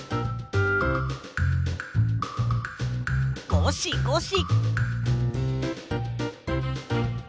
ごしごし！